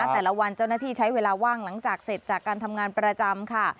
แต่ละวันเจ้าหน้าที่ใช้เวลาว่างหลังจากเสร็จจากการทำงานประจำค่ะ